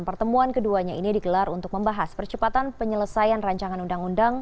pertemuan keduanya ini digelar untuk membahas percepatan penyelesaian rancangan undang undang